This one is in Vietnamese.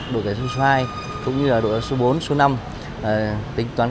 để chấp hành thông tin đại chúng